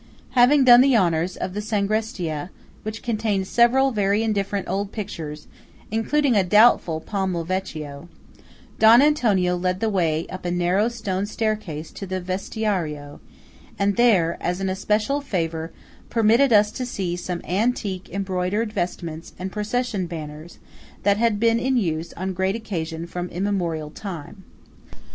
Having done the honours of the Sagrestia (which contained several very indifferent old pictures, including a doubtful Palma Vecchio) Don Antonio led the way up a narrow stone staircase to the Vestiario, and there, as an especial favour, permitted us to see some antique embroidered vestments and procession banners that had been in use on great occasions from immemorial time.